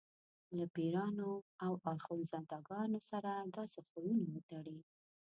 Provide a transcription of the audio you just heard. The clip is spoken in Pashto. له پیرانو او اخندزاده ګانو سره داسې خویونه وتړي.